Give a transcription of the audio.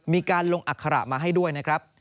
มีการลงอัคระมาให้ด้วยนะครับ